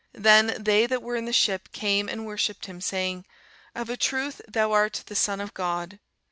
Then they that were in the ship came and worshipped him, saying, Of a truth thou art the Son of God.